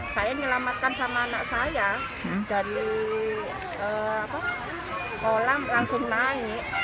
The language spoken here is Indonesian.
saya nyelamatkan sama anak saya dari kolam langsung naik